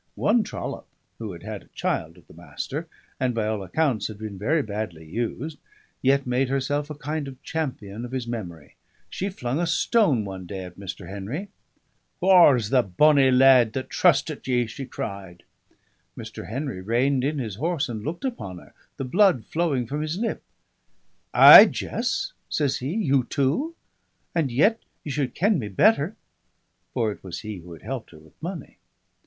One trollop, who had had a child to the Master, and by all accounts been very badly used, yet made herself a kind of champion of his memory. She flung a stone one day at Mr. Henry. "Whaur's the bonny lad that trustit ye?" she cried. Mr. Henry reined in his horse and looked upon her, the blood flowing from his lip. "Ay, Jess?" says he. "You too? And yet ye should ken me better." For it was he who had helped her with money.